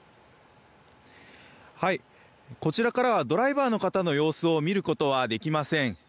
こちらからはドライバーの方の様子を見ることはできません。